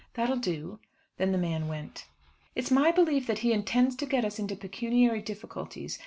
That'll do." Then the man went. "It's my belief that he intends to get us into pecuniary difficulties.